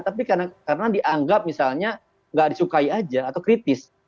tapi karena dianggap misalnya nggak disukai aja atau kritis